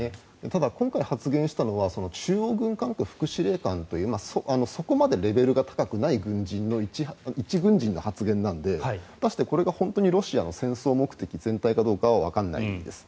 ただ、今回発言したのは中央軍管区副司令官というそこまでレベルが高くない一軍人の発言なので果たしてこれがロシアの戦争目的全体かどうかはわからないです。